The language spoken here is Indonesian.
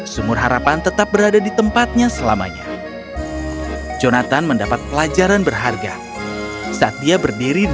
semua orang mulai meminta keinginan untuk membantu mereka tumbuh dan belajar